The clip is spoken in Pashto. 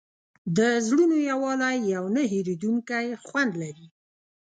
د زړونو یووالی یو نه هېرېدونکی خوند لري.